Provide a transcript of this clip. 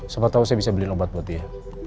siapa tau saya bisa beliin obat buat dia